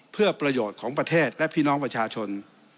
เพื่อประโยชน์ของประเทศและพี่น้องประชาชน